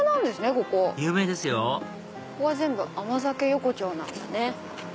ここは全部甘酒横丁なんだね。